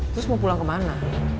terus mau pulang kemana